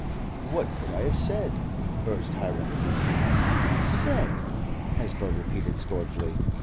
"What could I have said?" urged Hiram, feebly. "Said?" Hesba repeated, scornfully.